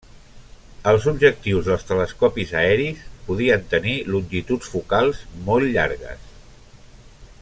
Els objectius dels telescopis aeris podien tenir longituds focals molt llargues.